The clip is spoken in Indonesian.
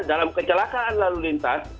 dalam kecelakaan lalu lintas